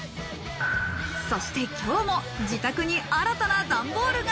そして今日も自宅に新たな段ボールが。